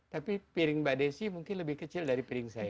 tapi piring mbak desi mungkin lebih kecil dari piring saya